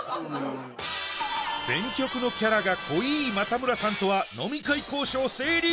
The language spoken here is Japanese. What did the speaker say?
選曲のキャラが濃い又村さんとは飲み会交渉成立